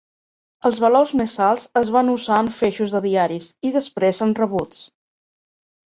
Els valors més alts es van usar en feixos de diaris i després en rebuts.